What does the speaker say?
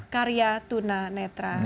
karya tuna netra